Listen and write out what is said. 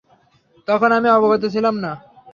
তখন আমি অবগত ছিলাম না।